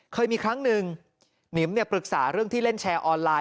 เคยมีครั้งหนึ่งหนิมเนี่ยปรึกษาเรื่องที่เล่นแชร์ออนไลน